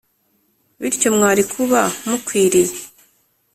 bityo mwari kuba mukwiriye